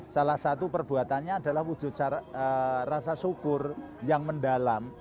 salah satu perbuatannya adalah wujud rasa syukur yang mendalam